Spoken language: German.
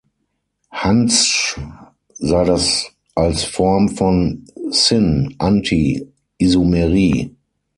Hantzsch sah das als Form von "syn"-"anti"-Isomerie.